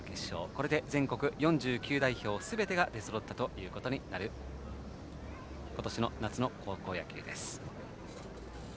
これで全国４９代表すべてが出そろったことになる今年の夏の高校野球です。